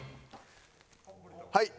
はい。